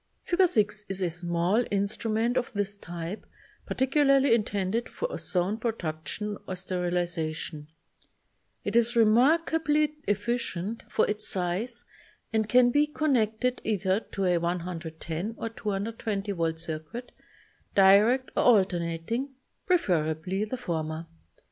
Fig. 6 is a small instrument of this type, particularly intended for ozone production or sterilization. It is remarkably efficient for its size and can be connected either to a 110 or 220 volt circuit, direct or alter nating, preferably the former.